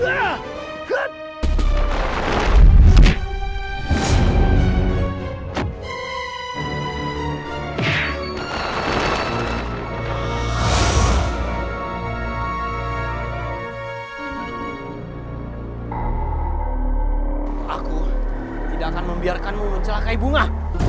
aku tidak akan membiarkanmu mencelakai bunga